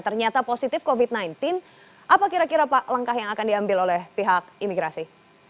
ternyata positif covid sembilan belas apa kira kira pak langkah yang akan diambil oleh pihak imigrasi